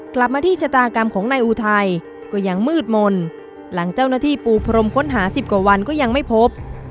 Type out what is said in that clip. กลับมาที่ชะตากรรมของนายอุทัยก็ยังมืดมนต์หลังเจ้าหน้าที่ปูพรมค้นหาสิบกว่าวันก็ยังไม่พบ